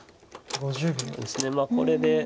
そうですねこれで。